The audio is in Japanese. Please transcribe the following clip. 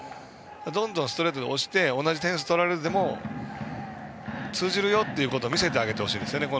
どんどんストレートで押して点数を取られても通じるよということを見せてあげてほしいです。